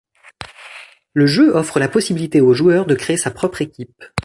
Le jeu offre la possibilité aux joueurs de créer sa propre équipe.